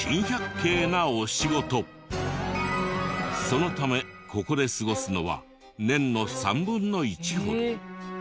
そのためここで過ごすのは年の３分の１ほど。